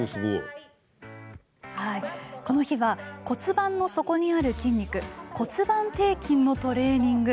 この日は骨盤の底にある筋肉骨盤底筋のトレーニング。